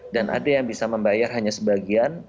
dan ada yang bisa membayar hanya sebagian